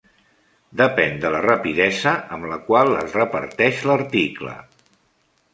Depèn de la rapidesa amb la qual es reparteix l'article.